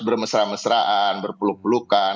bermesra mesraan berpeluk pelukan